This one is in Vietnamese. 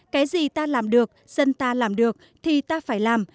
cái gì ta làm được dân ta làm được thì ta phải làm